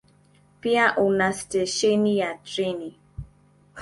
Pia una stesheni ya treni.